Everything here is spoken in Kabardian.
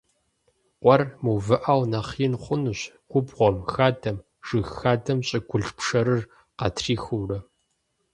Къуэр мыувыӀэу нэхъ ин хъунущ, губгъуэм, хадэм, жыг хадэм щӀыгулъ пшэрыр къатрихыурэ.